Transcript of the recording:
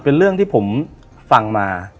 เป็นเรื่องที่ผมฟังมา